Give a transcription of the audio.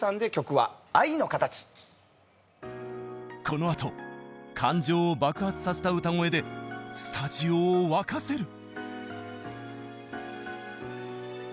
このあと感情を爆発させた歌声でスタジオを沸かせる。